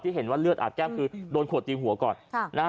เห็นว่าเลือดอาบแก้มคือโดนขวดตีหัวก่อนค่ะนะฮะ